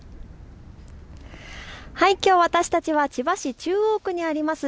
きょう私たちは千葉市中央区にあります